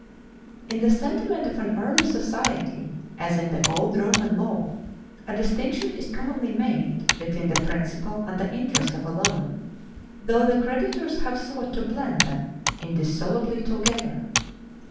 In the sentiment of an early society, as in the old Roman law, a distinction is commonly made between the principal and the interest of a loan, though the creditors have sought to blend them indissolubly together.